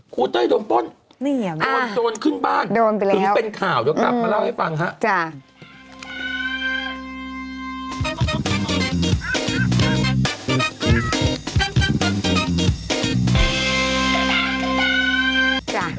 ครูเต้ยโดนป้นเดินโจรขึ้นบ้านถึงเป็นข่าวจนกลับมาเล่าให้ฟังค่ะโอเคโดนไปแล้วจนกลับมาเล่าให้ฟังค่ะ